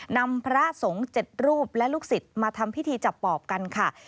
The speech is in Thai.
นำพระสงฆ์๗รูปและลูกศิษย์มาทำพิธีจับปอบกันค่ะ